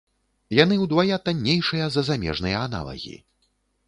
Яны ўдвая таннейшыя за замежныя аналагі.